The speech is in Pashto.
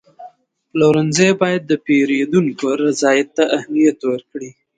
پلورنځی باید د پیرودونکو رضایت ته اهمیت ورکړي.